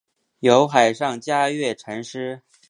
有海上嘉月尘诗。